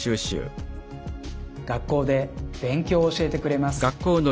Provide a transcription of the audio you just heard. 学校で勉強を教えてくれます。